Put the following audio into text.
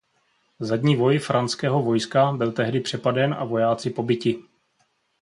Zadní voj franského vojska byl tehdy přepaden a vojáci pobiti.